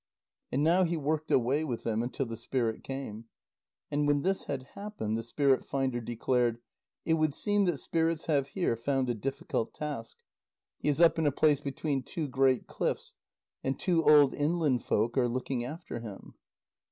And now he worked away with him until the spirit came. And when this had happened, the spirit finder declared: "It would seem that spirits have here found a difficult task. He is up in a place between two great cliffs, and two old inland folk are looking after him."